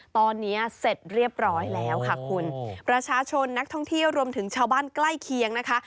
ตอนนี้เสร็จเรียบร้อยแล้วค่ะคุณประชาชนนักท่องเที่ยวรวมถึงชาวบ้านใกล้เคียงนะคะ